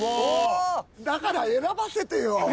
だから選ばせてよ！